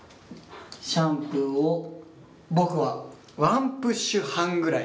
シャンプーを僕はワンプッシュ半ぐらい。